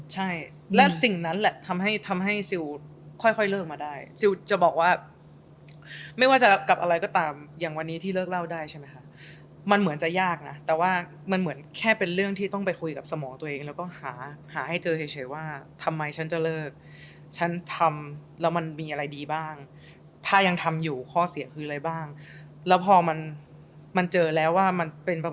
ใช่และสิ่งนั้นแหละทำให้ทำให้ซิลค่อยเลิกมาได้ซิลจะบอกว่าไม่ว่าจะกับอะไรก็ตามอย่างวันนี้ที่เลิกเล่าได้ใช่ไหมคะมันเหมือนจะยากนะแต่ว่ามันเหมือนแค่เป็นเรื่องที่ต้องไปคุยกับสมองตัวเองแล้วก็หาหาให้เจอเฉยว่าทำไมฉันจะเลิกฉันทำแล้วมันมีอะไรดีบ้างถ้ายังทำอยู่ข้อเสียคืออะไรบ้างแล้วพอมันมันเจอแล้วว่ามันเป็นประ